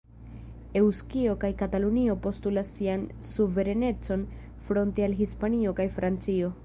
Eŭskio kaj Katalunio postulas sian suverenecon fronte al Hispanio kaj Francio.